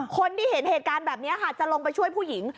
คนที่เห็นเหตุการณ์แบบนี้ค่ะจะลงไปช่วยผู้หญิง